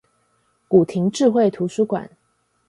古亭智慧圖書館